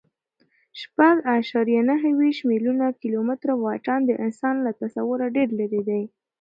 شپږ اعشاریه نهه ویشت میلیونه کیلومتره واټن د انسان له تصوره ډېر لیرې دی.